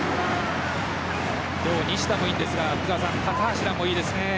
西田もいいんですが高橋藍もいいですね。